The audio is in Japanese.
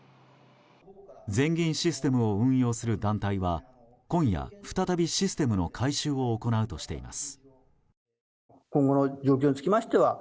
全銀システムを運用する団体は今夜再びシステムの改修を行うとしています。